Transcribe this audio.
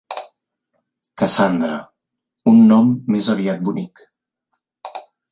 Cassandra; un nom més aviat bonic.